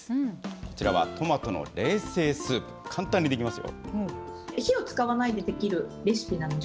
こちらはトマトの冷製スープ、簡単に出来ますよ。